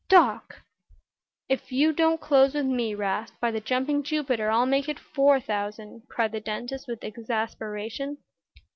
"Doc!" "If you don't close with me, 'Rast, by the jumping Jupiter, I'll make it four thousand," cried the dentist, with exasperation.